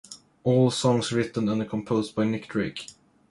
All songs written and composed by Nick Drake.